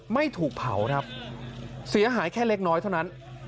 ไม่ถูกเผาครับเสียหายแค่เล็กน้อยเท่านั้น